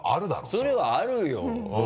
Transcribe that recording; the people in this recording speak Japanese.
それはあるよ。